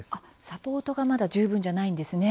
サポートがまだ十分じゃないんですね。